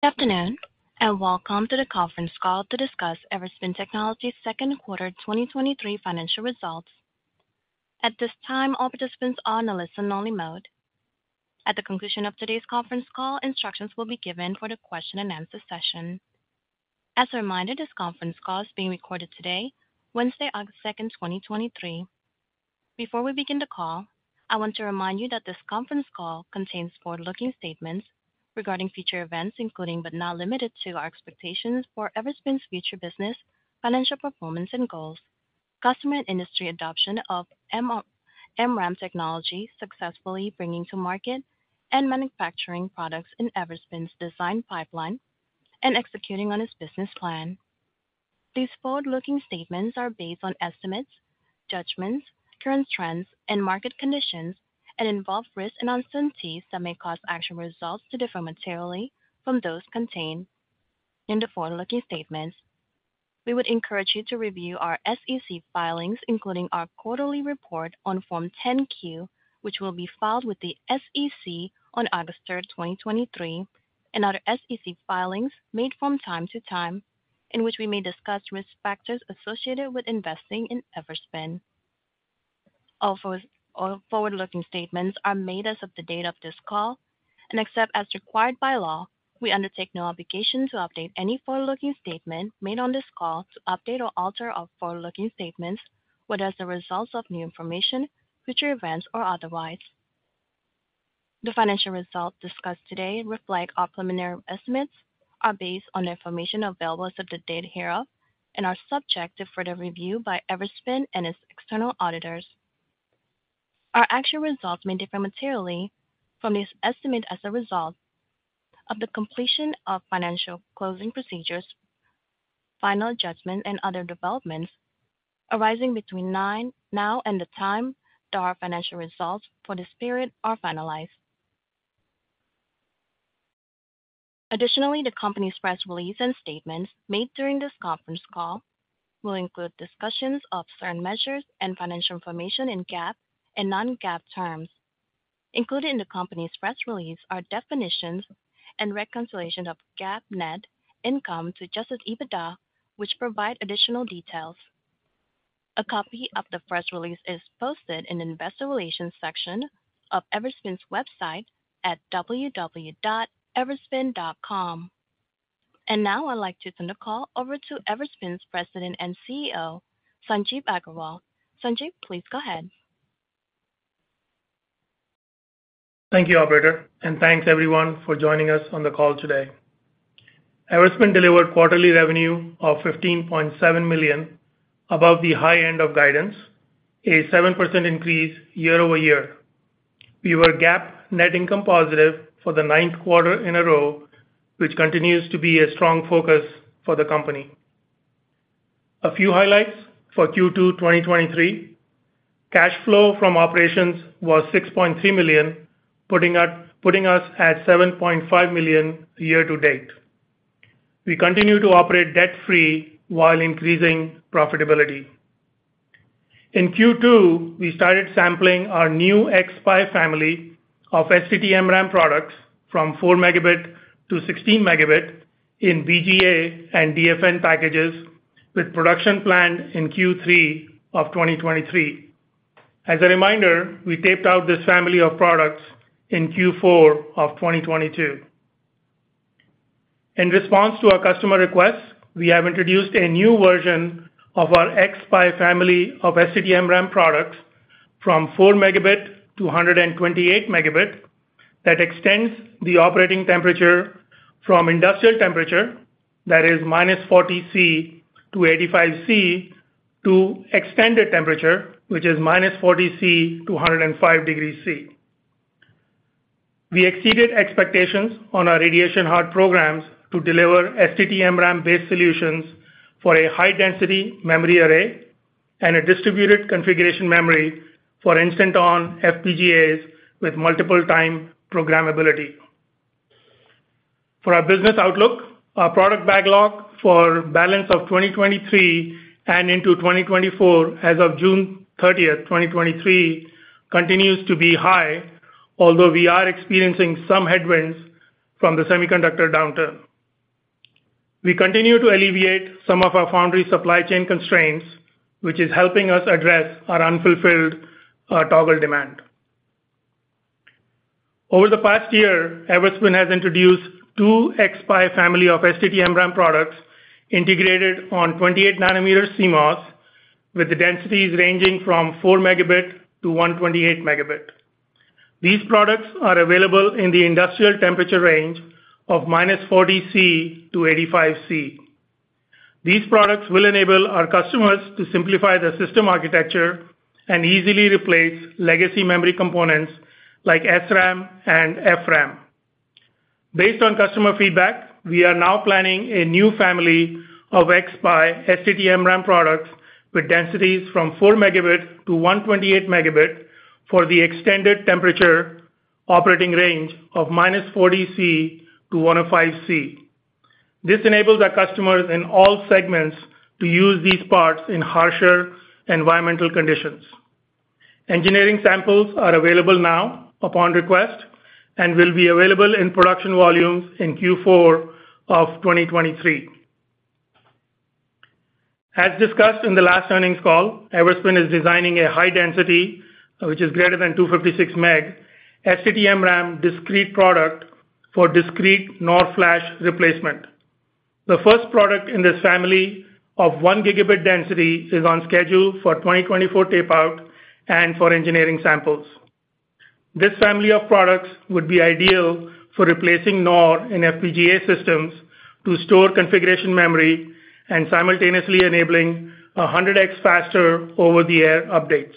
Good afternoon, and welcome to the conference call to discuss Everspin Technologies' second quarter 2023 financial results. At this time, all participants are in a listen-only mode. At the conclusion of today's conference call, instructions will be given for the question-and-answer session. As a reminder, this conference call is being recorded today, Wednesday, August 2nd, 2023. Before we begin the call, I want to remind you that this conference call contains forward-looking statements regarding future events, including, but not limited to, our expectations for Everspin's future business, financial performance and goals, customer and industry adoption of MRAM technology, successfully bringing to market and manufacturing products in Everspin's design pipeline, and executing on its business plan. These forward-looking statements are based on estimates, judgments, current trends, and market conditions, and involve risks and uncertainties that may cause actual results to differ materially from those contained in the forward-looking statements. We would encourage you to review our SEC filings, including our quarterly report on Form 10-Q, which will be filed with the SEC on August 3, 2023, and other SEC filings made from time to time, in which we may discuss risk factors associated with investing in Everspin. All forward-looking statements are made as of the date of this call. Except as required by law, we undertake no obligation to update any forward-looking statement made on this call to update or alter our forward-looking statements, whether as a result of new information, future events, or otherwise. The financial results discussed today reflect our preliminary estimates, are based on the information available as of the date hereof, and are subject to further review by Everspin and its external auditors. Our actual results may differ materially from this estimate as a result of the completion of financial closing procedures, final judgment, and other developments arising between now and the time that our financial results for this period are finalized. Additionally, the company's press release and statements made during this conference call will include discussions of certain measures and financial information in GAAP and non-GAAP terms. Included in the company's press release are definitions and reconciliation of GAAP net income to adjusted EBITDA, which provide additional details. A copy of the press release is posted in the investor relations section of Everspin's website at www.everspin.com. Now I'd like to turn the call over to Everspin's President and CEO, Sanjeev Aggarwal. Sanjeev, please go ahead. Thank you, operator, and thanks everyone for joining us on the call today. Everspin delivered quarterly revenue of $15.7 million, above the high end of guidance, a 7% increase year-over-year. We were GAAP net income positive for the 9th quarter in a row, which continues to be a strong focus for the company. A few highlights for Q2 2023: cash flow from operations was $6.3 million, putting us at $7.5 million year to date. We continue to operate debt-free while increasing profitability. In Q2, we started sampling our new xSPI family of STT-MRAM products from 4 Mb to 16 Mb in BGA and DFN packages, with production planned in Q3 2023. As a reminder, we taped out this family of products in Q4 2022. In response to our customer requests, we have introduced a new version of our xSPI family of STT-MRAM products from 4 Mb to 128 Mb, that extends the operating temperature from industrial temperature, that is, -40 degrees Celsius to 85 degrees Celsius, to extended temperature, which is -40 degrees Celsius to 105 degrees Celsius. We exceeded expectations on our radiation hard programs to deliver STT-MRAM-based solutions for a high-density memory array and a distributed configuration memory for instant-on FPGAs with multiple time programmability. For our business outlook, our product backlog for balance of 2023 and into 2024 as of June 30, 2023, continues to be high, although we are experiencing some headwinds from the semiconductor downturn. We continue to alleviate some of our foundry supply chain constraints, which is helping us address our unfulfilled Toggle demand. Over the past year, Everspin has introduced two xSPI family of STT-MRAM products integrated on 28 nanometer CMOS, with the densities ranging from 4 Mb to 128 Mb. These products are available in the industrial temperature range of -40 degrees Celsius to 85 degrees Celsius. These products will enable our customers to simplify their system architecture and easily replace legacy memory components like SRAM and FRAM. Based on customer feedback, we are now planning a new family of xSPI STT-MRAM products with densities from 4 Mb to 128 Mb for the extended temperature operating range of -40 degrees Celsius to 105 degrees Celsius. This enables our customers in all segments to use these parts in harsher environmental conditions. Engineering samples are available now upon request, and will be available in production volumes in Q4 of 2023. As discussed in the last earnings call, Everspin is designing a high density, which is greater than 256 Mb, STT-MRAM discrete product for discrete NOR flash replacement. The first product in this family of 1 Gb density is on schedule for 2024 tape out and for engineering samples. This family of products would be ideal for replacing NOR in FPGA systems to store configuration memory and simultaneously enabling 100x faster over-the-air updates.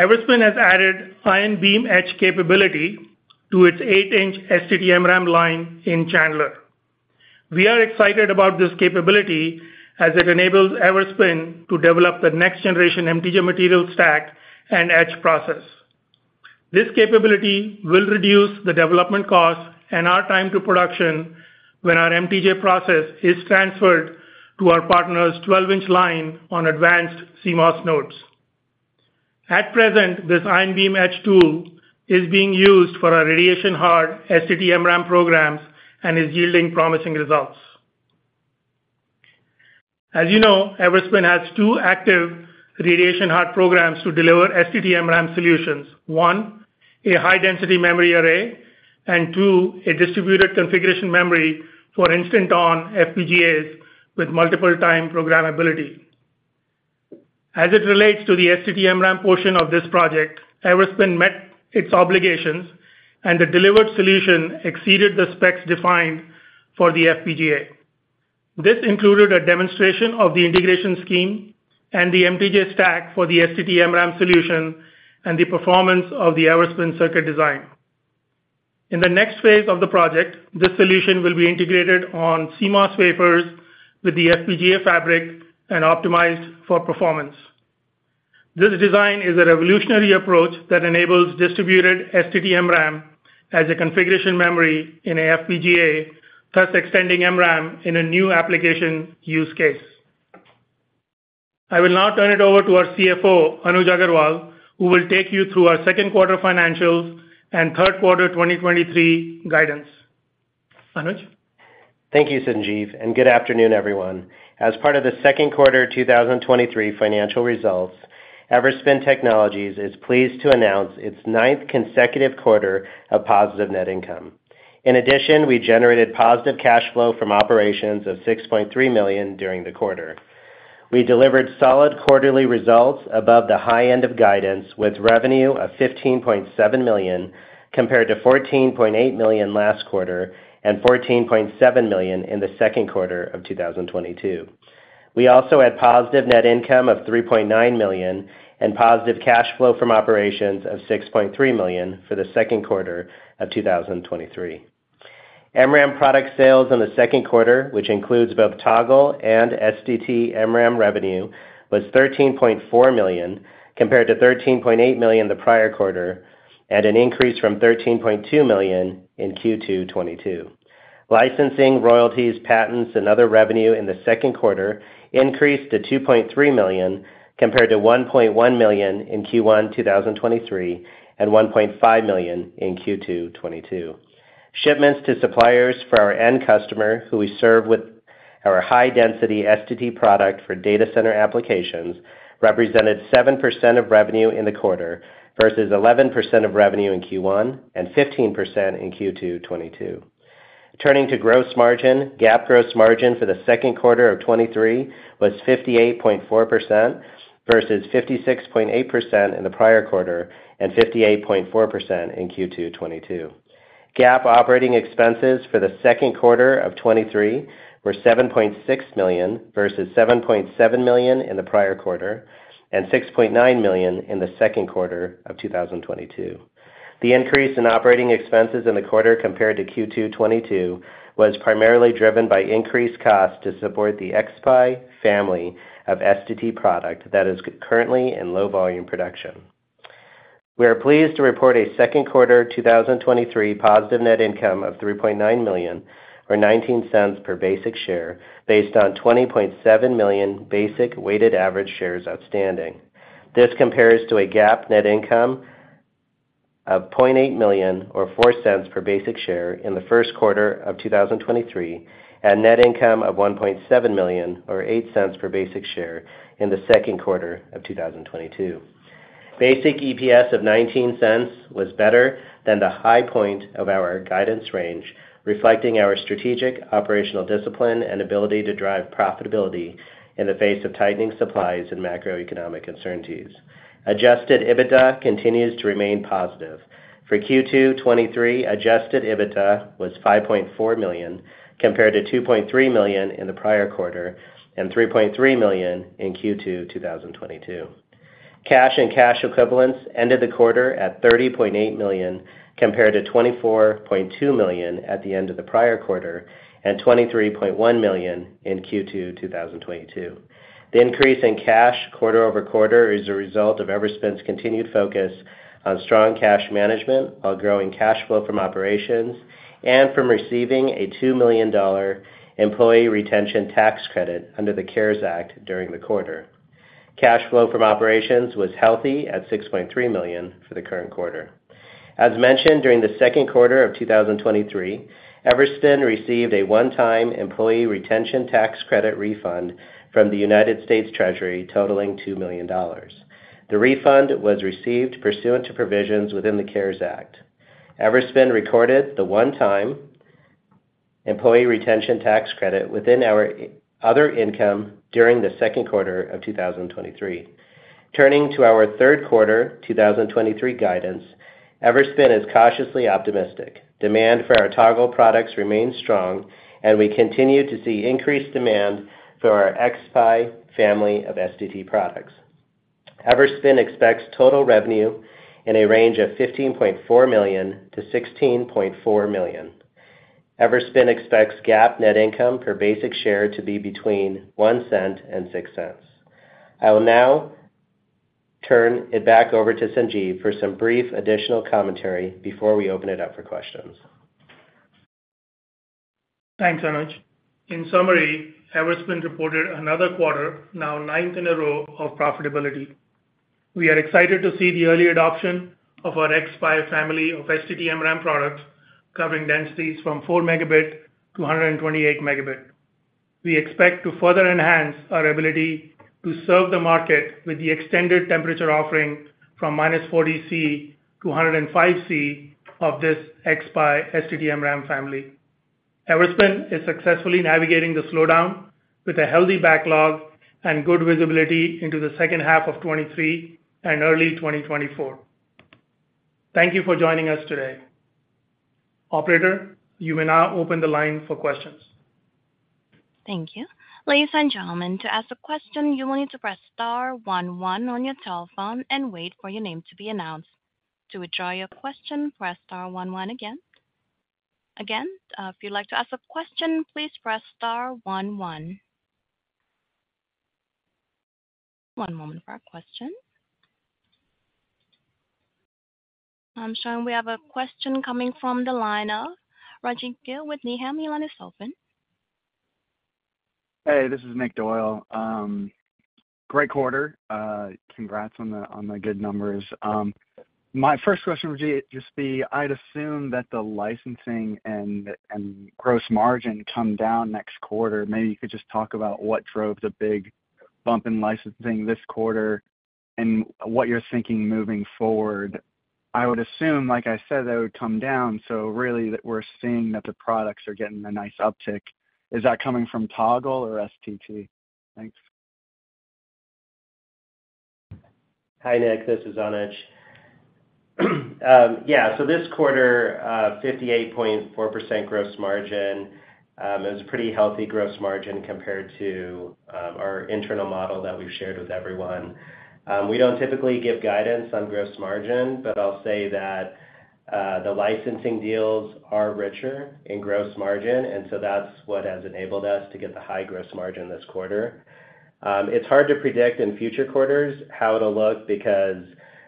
Everspin has added ion beam etch capability to its 8-inch STT-MRAM line in Chandler. We are excited about this capability as it enables Everspin to develop the next generation MTJ material stack and etch process. This capability will reduce the development cost and our time to production when our MTJ process is transferred to our partner's 12-inch line on advanced CMOS nodes. At present, this ion beam etch tool is being used for our radiation-hard STT-MRAM programs and is yielding promising results. As you know, Everspin has two active radiation-hard programs to deliver STT-MRAM solutions. One, a high-density memory array, and two, a distributed configuration memory for instant-on FPGAs with multiple time programmability. As it relates to the STT-MRAM portion of this project, Everspin met its obligations, and the delivered solution exceeded the specs defined for the FPGA. This included a demonstration of the integration scheme and the MTJ stack for the STT-MRAM solution and the performance of the Everspin circuit design. In the next phase of the project, this solution will be integrated on CMOS wafers with the FPGA fabric and optimized for performance. This design is a revolutionary approach that enables distributed STT-MRAM as a configuration memory in an FPGA, thus extending MRAM in a new application use case. I will now turn it over to our CFO, Anuj Aggarwal, who will take you through our second quarter financials and third quarter 2023 guidance. Anuj? Thank you, Sanjeev, and good afternoon, everyone. As part of the second quarter 2023 financial results, Everspin Technologies is pleased to announce its 9th consecutive quarter of positive net income. In addition, we generated positive cash flow from operations of $6.3 million during the quarter. We delivered solid quarterly results above the high end of guidance, with revenue of $15.7 million, compared to $14.8 million last quarter and $14.7 million in the second quarter of 2022. We also had positive net income of $3.9 million and positive cash flow from operations of $6.3 million for the second quarter of 2023. MRAM product sales in the second quarter, which includes both Toggle and STT-MRAM revenue, was $13.4 million, compared to $13.8 million the prior quarter, and an increase from $13.2 million in Q2 2022. Licensing, royalties, patents, and other revenue in the second quarter increased to $2.3 million, compared to $1.1 million in Q1 2023, and $1.5 million in Q2 2022. Shipments to suppliers for our end customer, who we serve with our high-density STT product for data center applications, represented 7% of revenue in the quarter, versus 11% of revenue in Q1 and 15% in Q2 2022. Turning to gross margin, GAAP gross margin for the second quarter of 2023 was 58.4%, versus 56.8% in the prior quarter and 58.4% in Q2 2022. GAAP operating expenses for the second quarter of 2023 were $7.6 million, versus $7.7 million in the prior quarter and $6.9 million in the second quarter of 2022. The increase in operating expenses in the quarter compared to Q2 2022 was primarily driven by increased costs to support the xSPI family of STT product that is currently in low volume production. We are pleased to report a second quarter 2023 positive net income of $3.9 million, or $0.19 per basic share, based on 20.7 million basic weighted average shares outstanding. This compares to a GAAP net income of $0.8 million or $0.04 per basic share in the first quarter of 2023. Net income of $1.7 million or $0.08 per basic share in the second quarter of 2022. Basic EPS of $0.19 was better than the high point of our guidance range, reflecting our strategic operational discipline and ability to drive profitability in the face of tightening supplies and macroeconomic uncertainties. Adjusted EBITDA continues to remain positive. For Q2 2023, adjusted EBITDA was $5.4 million, compared to $2.3 million in the prior quarter and $3.3 million in Q2 2022. Cash and cash equivalents ended the quarter at $30.8 million, compared to $24.2 million at the end of the prior quarter and $23.1 million in Q2 2022. The increase in cash quarter-over-quarter is a result of Everspin's continued focus on strong cash management, while growing cash flow from operations, and from receiving a $2 million employee retention tax credit under the CARES Act during the quarter. Cash flow from operations was healthy at $6.3 million for the current quarter. As mentioned, during the second quarter of 2023, Everspin received a one-time employee retention tax credit refund from the United States Treasury, totaling $2 million. The refund was received pursuant to provisions within the CARES Act. Everspin recorded the one-time employee retention tax credit within our other income during the second quarter of 2023. Turning to our third quarter 2023 guidance, Everspin is cautiously optimistic. Demand for our Toggle products remains strong, and we continue to see increased demand for our xSPI family of STT products. Everspin expects total revenue in a range of $15.4 million-$16.4 million. Everspin expects GAAP net income per basic share to be between $0.01 and $0.06. I will now turn it back over to Sanjeev for some brief additional commentary before we open it up for questions. Thanks, Anuj. In summary, Everspin reported another quarter, now ninth in a row, of profitability. We are excited to see the early adoption of our xSPI family of STT-MRAM products, covering densities from 4 Mb to 128 Mb. We expect to further enhance our ability to serve the market with the extended temperature offering from -40 degrees Celsius to 105 degrees Celsius of this xSPI STT-MRAM family. Everspin is successfully navigating the slowdown with a healthy backlog and good visibility into the second half of 2023 and early 2024. Thank you for joining us today. Operator, you may now open the line for questions. Thank you. Ladies and gentlemen, to ask a question, you will need to press star one one on your telephone and wait for your name to be announced. To withdraw your question, press star one one again. Again, if you'd like to ask a question, please press star one one. 1 moment for our question. I'm showing we have a question coming from the line of Rajvindra Gill with Needham. Your line is open. Hey, this is Nick Doyle. Great quarter. Congrats on the good numbers. My first question would just be, I'd assume that the licensing and gross margin come down next quarter. Maybe you could just talk about what drove the big bump in licensing this quarter and what you're thinking moving forward. I would assume, like I said, that it would come down, so really that we're seeing that the products are getting a nice uptick. Is that coming from Toggle or STT? Thanks. Hi, Nick, this is Anuj. Yeah, this quarter, 58.4% gross margin is a pretty healthy gross margin compared to our internal model that we've shared with everyone. We don't typically give guidance on gross margin, but I'll say that the licensing deals are richer in gross margin, and so that's what has enabled us to get the high gross margin this quarter. It's hard to predict in future quarters how it'll look because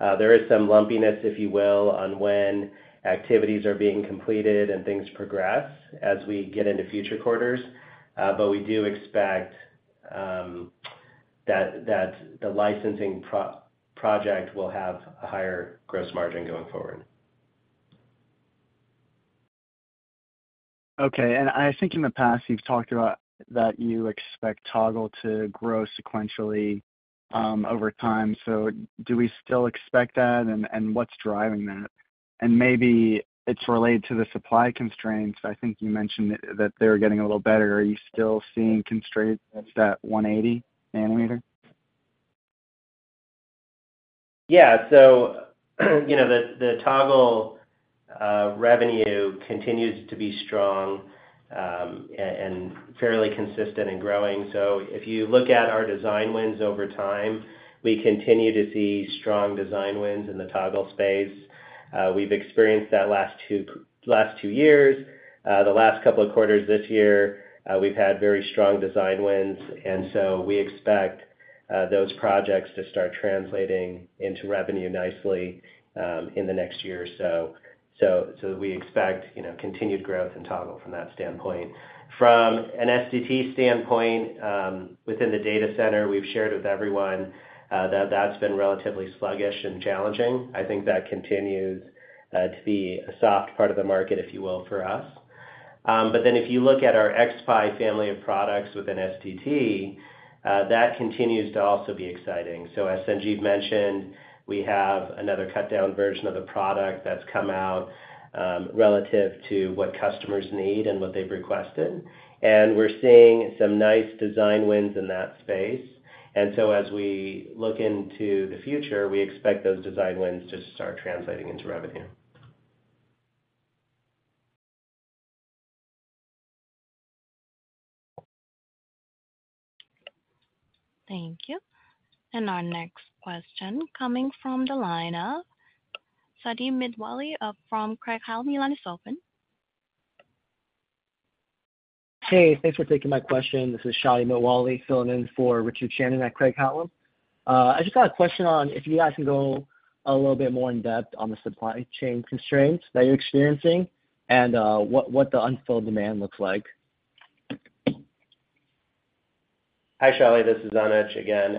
there is some lumpiness, if you will, on when activities are being completed and things progress as we get into future quarters. We do expect that the licensing project will have a higher gross margin going forward. Okay. I think in the past, you've talked about that you expect Toggle to grow sequentially over time. Do we still expect that, and what's driving that? Maybe it's related to the supply constraints. I think you mentioned that they're getting a little better. Are you still seeing constraints at 180nm? Yeah. You know, the Toggle revenue continues to be strong, and, and fairly consistent and growing. If you look at our design wins over time, we continue to see strong design wins in the Toggle space. We've experienced that last two, last two years. The last couple of quarters this year, we've had very strong design wins, and so we expect those projects to start translating into revenue nicely, in the next year or so. So we expect, you know, continued growth in Toggle from that standpoint. From an STT standpoint, within the data center, we've shared with everyone, that that's been relatively sluggish and challenging. I think that continues to be a soft part of the market, if you will, for us. If you look at our xSPI family of products within STT, that continues to also be exciting. As Sanjeev mentioned, we have another cut down version of the product that's come out relative to what customers need and what they've requested. We're seeing some nice design wins in that space. As we look into the future, we expect those design wins to start translating into revenue. Thank you. Our next question coming from the line of Shadi Mitwalli, from Craig-Hallum. Your line is open. Hey, thanks for taking my question. This is Shadi Mitwalli, filling in for Richard Shannon at Craig-Hallum. I just got a question on if you guys can go a little bit more in-depth on the supply chain constraints that you're experiencing and, what the unfilled demand looks like? Hi, Shadi, this is Anuj again.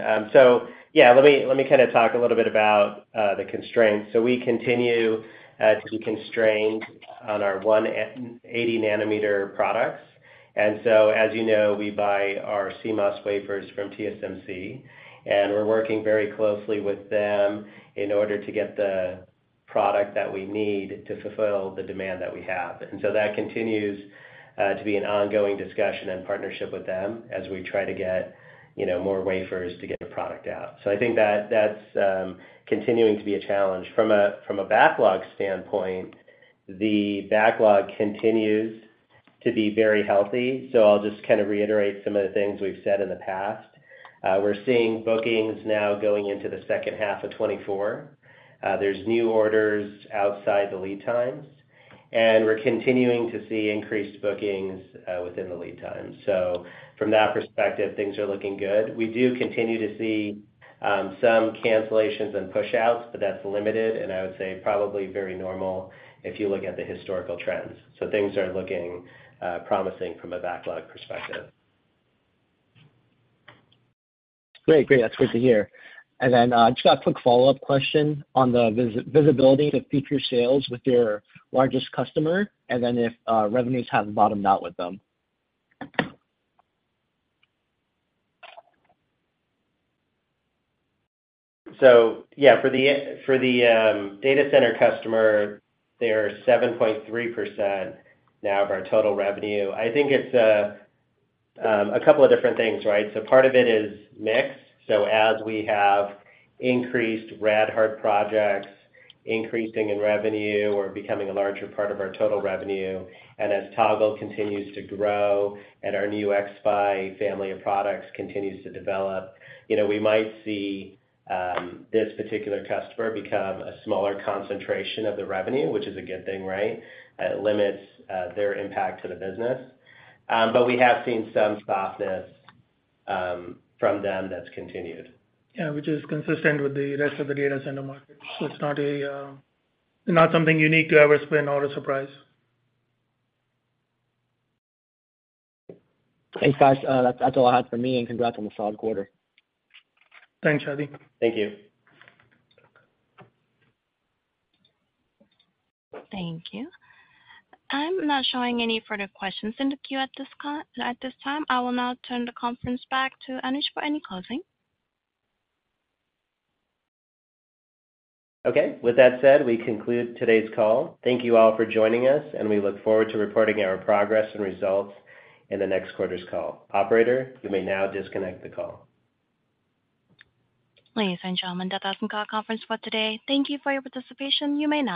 Yeah, let me, let me kind of talk a little bit about the constraints. We continue to be constrained on our 180nm products. As you know, we buy our CMOS wafers from TSMC, and we're working very closely with them in order to get the product that we need to fulfill the demand that we have. That continues to be an ongoing discussion and partnership with them as we try to get, you know, more wafers to get the product out. I think that that's continuing to be a challenge. From a backlog standpoint, the backlog continues to be very healthy. I'll just kind of reiterate some of the things we've said in the past. We're seeing bookings now going into the second half of 2024. There's new orders outside the lead times, and we're continuing to see increased bookings within the lead time. From that perspective, things are looking good. We do continue to see some cancellations and pushouts, but that's limited, and I would say probably very normal if you look at the historical trends. Things are looking promising from a backlog perspective. Great. Great, that's good to hear. Then, just a quick follow-up question on the visibility of future sales with your largest customer, and then if, revenues have bottomed out with them? Yeah, for the, for the, data center customer, they are 7.3% now of our total revenue. I think it's a couple of different things, right? Part of it is mix. As we have increased RadHard projects, increasing in revenue or becoming a larger part of our total revenue, and as Toggle continues to grow and our new xSPI family of products continues to develop, you know, we might see this particular customer become a smaller concentration of the revenue, which is a good thing, right? It limits their impact to the business. We have seen some softness from them that's continued. Yeah, which is consistent with the rest of the data center market. So it's not a, not something unique to Everspin or a surprise. Thanks, guys. That, that's all I have for me, and congrats on the solid quarter. Thanks, Shadi. Thank you. Thank you. I'm not showing any further questions in the queue at this at this time. I will now turn the conference back to Anuj for any closing. Okay. With that said, we conclude today's call. Thank you all for joining us. We look forward to reporting our progress and results in the next quarter's call. Operator, you may now disconnect the call. Ladies and gentlemen, that ends our conference call today. Thank you for your participation. You may now disconnect.